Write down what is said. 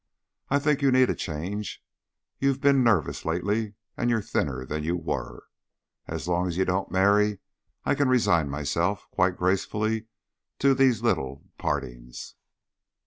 I think you need a change. You've been nervous lately, and you're thinner than you were. As long as you don't marry I can resign myself quite gracefully to these little partings."